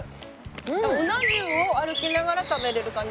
うな重を歩きながら食べられる感じですか？